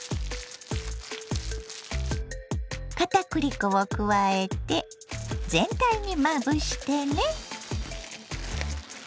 かたくり粉を加えて全体にまぶしてね。